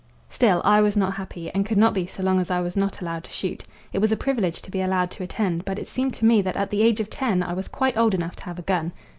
Still, I was not happy, and could not be so long as I was not allowed to shoot. It was a privilege to be allowed to attend, but it seemed to me that at the age of ten I was quite old enough to have a gun.